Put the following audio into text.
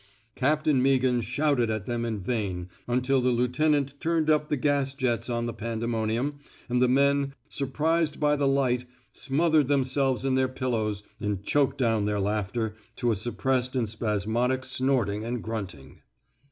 Captain Meaghan shouted at them in vain until the lieutenant turned up the gas jets on the pandemonium, and the men, sur prised by the light, smothered themselves in their pillows and choked down their laughter to a suppressed and spasmodic snorting and grunting.